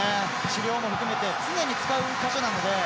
治療も含めて常に使う場所なので。